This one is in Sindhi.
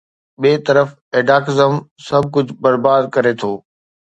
ٻئي طرف ايڊهاڪزم، سڀ ڪجهه برباد ڪري ٿو.